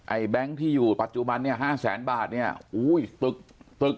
แบงค์ที่อยู่ปัจจุบันเนี่ยห้าแสนบาทเนี่ยอุ้ยตึกตึก